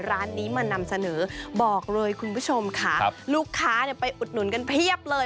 ร้านนี้มานำเสนอบอกเลยคุณผู้ชมค่ะลูกค้าเนี่ยไปอุดหนุนกันเพียบเลย